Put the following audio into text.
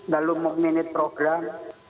lalu memenit program